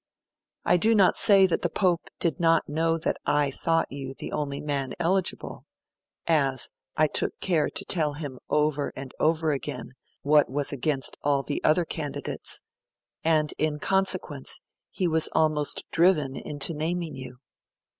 I do not say that the Pope did not know that I thought you the only man eligible as I took care to tell him over and over again what was against all the other candidates and in consequence, he was almost driven into naming you.